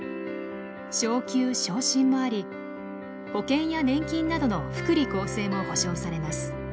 昇給昇進もあり保険や年金などの福利厚生も保証されます。